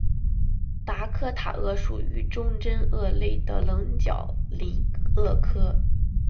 达科塔鳄属于中真鳄类的棱角鳞鳄科。